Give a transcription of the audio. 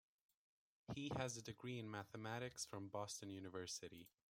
He has a degree in Mathematics from Boston University.